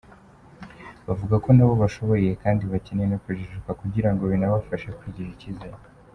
Bavuga ko nabo bashoboye kandi bakeneye no kujijuka kugirango binabafashe kwigirira icyizere.